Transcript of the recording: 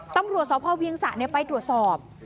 ตำรวจสอบภาวเบียงศาสตร์ไปตรวจสอบ